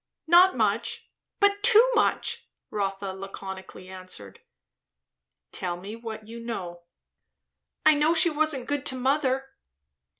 "Not much, but too much," Rotha laconically answered. "Tell me what you know." "I know she wasn't good to mother."